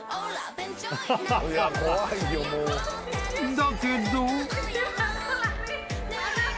［だけど］